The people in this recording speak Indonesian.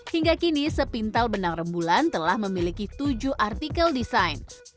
hingga kini sepintal benang rembulan telah memiliki tujuh artikel desain